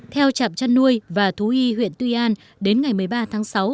theo trạm chăn nuôi và thú y huyện tuy an đến ngày một mươi ba tháng sáu